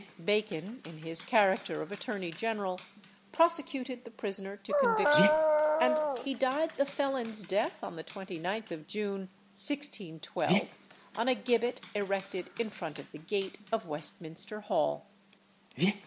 Bacon, in his character of attorney general, prosecuted the prisoner to conviction; and he died the felon's death on the 29th of June, 1612, on a gibbet erected in front of the gate of Westminster Hall.